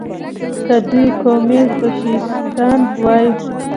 که دوی قومي فشیستان وای.